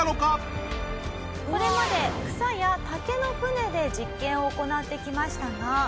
これまで草や竹の舟で実験を行ってきましたが。